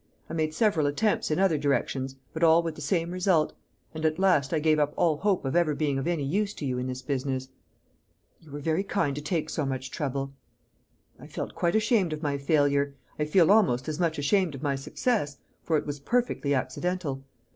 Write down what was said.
I made several attempts in other directions, but all with the same result; and at last I gave up all hope of ever being of any use to you in this business." "You were very kind to take so much trouble." "I felt quite ashamed of my failure; I feel almost as much ashamed of my success; for it was perfectly accidental.